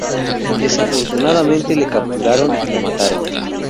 Desafortunadamente le capturaron y lo mataron.